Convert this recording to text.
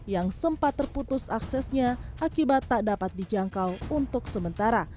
yang sempat terputus aksesnya akibat tak dapat dijangkau untuk sementara